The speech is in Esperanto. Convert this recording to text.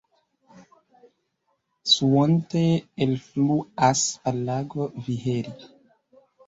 Suontee elfluas al lago Viheri.